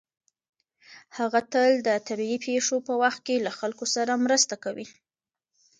هغه تل د طبیعي پېښو په وخت کې له خلکو سره مرسته کوي.